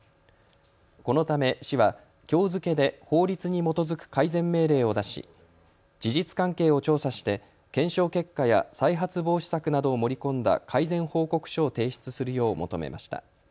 このため市はきょう付けで法律に基づく改善命令を出し事実関係を調査して検証結果や再発防止策などを盛り込んだ改善報告書を提出するよう求めました。